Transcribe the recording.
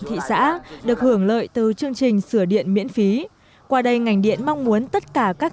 thị xã được hưởng lợi từ chương trình sửa điện miễn phí qua đây ngành điện mong muốn tất cả các